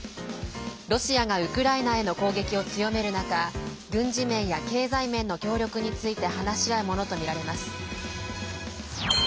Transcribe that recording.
ロシアがウクライナへの攻撃を強める中軍事面や経済面の協力について話し合うものとみられます。